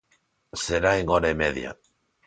Será en hora e media.